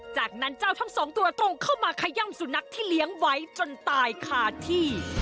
จากนั้นเจ้าทั้งสองตัวตรงเข้ามาขย่ำสุนัขที่เลี้ยงไว้จนตายคาที่